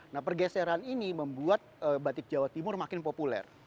nah pergeseran ini membuat batik jawa timur makin populer